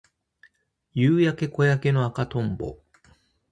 夕焼け小焼けの赤とんぼ